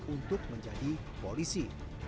untuk menjadi polisi